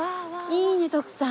いいね徳さん。